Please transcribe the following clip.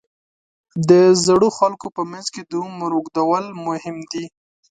د زړو خلکو په منځ کې د عمر اوږدول مهم دي.